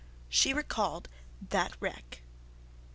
She recalled that wreck.